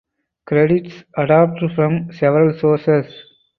Credits adapted from several sources.